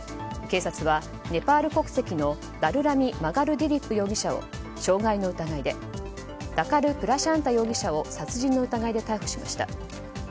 警察はネパール国籍のダルラミ・マガル・ディリップ容疑者を傷害の疑いでダカル・プラシャンタ容疑者を殺人の疑いで逮捕しました。